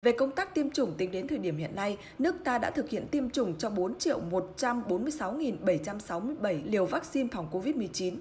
về công tác tiêm chủng tính đến thời điểm hiện nay nước ta đã thực hiện tiêm chủng cho bốn một trăm bốn mươi sáu bảy trăm sáu mươi bảy liều vaccine phòng covid một mươi chín